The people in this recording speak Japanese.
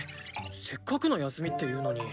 せっかくの休みっていうのに。